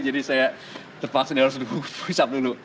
jadi saya terpaksa harus dihukum usap dulu